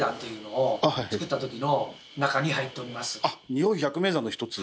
日本百名山の一つ？